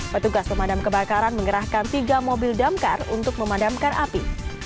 petugas pemadam kebakaran mengerahkan tiga mobil damkar untuk memadamkan api